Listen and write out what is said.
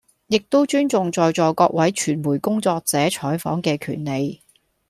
亦都尊重在座各位傳媒工作者採訪嘅權利